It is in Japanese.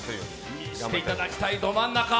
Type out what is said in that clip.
見せていただきたい、ど真ん中。